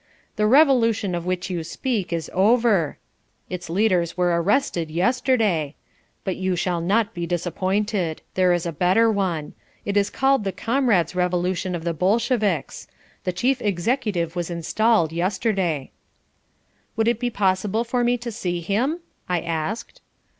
"The Revolution of which you speak is over. Its leaders were arrested yesterday. But you shall not be disappointed. There is a better one. It is called the Comrades' Revolution of the Bolsheviks. The chief Executive was installed yesterday." "Would it be possible for me to see him?" I asked.